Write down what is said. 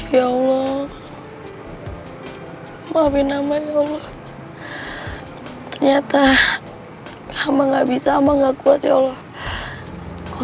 ya allah maafin ama ya allah ternyata ama nggak bisa ama nggak kuat ya allah kalau